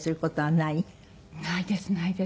ないですないです。